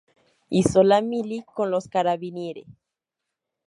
Hizo la "mili" con los carabinieri.